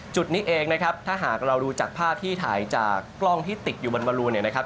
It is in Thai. จุดนี้เองนะครับถ้าหากเราดูจากภาพที่ถ่ายจากกล้องที่ติดอยู่บนบรูนเนี่ยนะครับ